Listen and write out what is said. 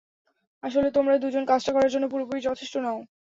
আসলে তোমরা দুজন কাজটা করার জন্য পুরোপুরি যথেষ্ট নও।